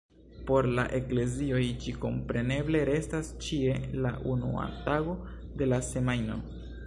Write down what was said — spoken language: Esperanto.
Por la eklezioj ĝi kompreneble restas ĉie la unua tago de la semajno.